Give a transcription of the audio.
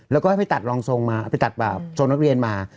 แล้วก็ให้ไปตัดรองทรงมาเอาไปตัดบาปทรงนักเรียนมา